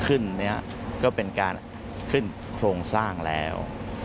เนี่ยก็เป็นการขึ้นโครงสร้างแล้ว